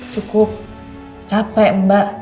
cukup capek mbak